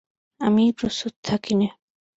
আমিই প্রস্তুত থাকি নে।